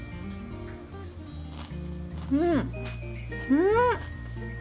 うんうん！